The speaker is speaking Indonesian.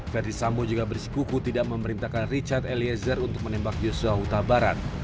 ferdi sambo juga bersikuku tidak memerintahkan richard eliezer untuk menembak yosua hutabarat